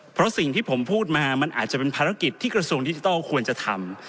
เพราะสิ่งที่ผมพูดมามันอาจจะเป็นภารกิจที่กระทรวงดิจิทัลควรจะทำ